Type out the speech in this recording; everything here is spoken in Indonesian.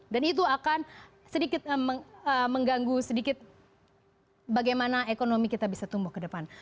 dan itu akan sedikit mengganggu sedikit bagaimana ekonomi kita bisa tumbuh ke depan